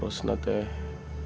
aduh sakit sekali